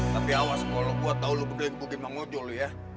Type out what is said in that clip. tapi awas kalo gue tau lu berdua yang kebukin emang ojo lu ya